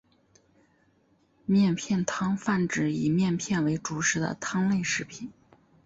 面片汤泛指以面片为主食的汤类食品。